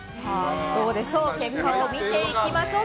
結果を見ていきましょう。